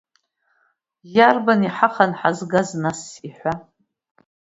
Иарбан иҳахан ҳазгаз, нас, иҳәа.